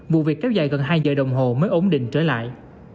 vụ việc kéo dài gần hai giờ đồng hồ mới ổn định trở lại